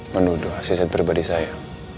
menduduh asisten pribadi saya